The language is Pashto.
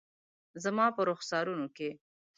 زما په رخسارونو کې